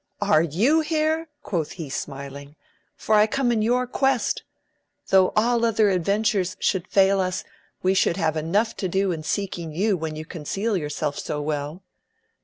Are you here ? quoth he smiling, for I come in your quest; though all other adventures should fail us, we should have enough to do in seekiog you when you conceal yourself so well